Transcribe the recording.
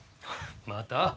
また？